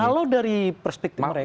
kalau dari perspektif mereka